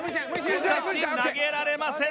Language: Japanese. しかし投げられません。